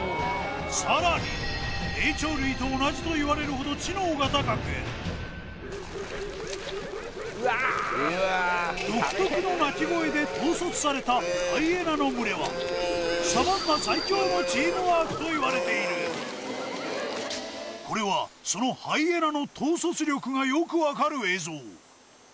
さらに霊長類と同じといわれるほど知能が高く独特の鳴き声で統率されたハイエナの群れはサバンナ最強のチームワークといわれているこれはそのハイエナの統率力がよく分かる映像